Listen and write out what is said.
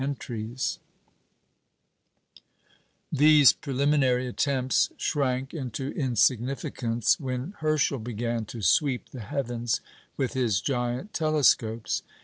These preliminary attempts shrank into insignificance when Herschel began to "sweep the heavens" with his giant telescopes.